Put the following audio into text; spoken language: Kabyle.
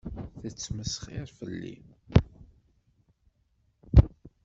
Tettmesxiṛ fell-i.